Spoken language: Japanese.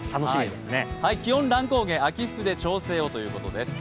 気温乱高下、秋服で調整をということです。